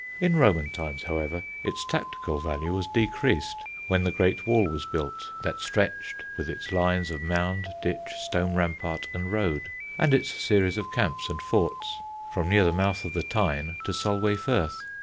In Roman times, however, its tactical value decreased when the great wall was built that stretched with its lines of mound, ditch, stone rampart, and road, and its series of camps and forts, from near the mouth of the Tyne to Solway Firth.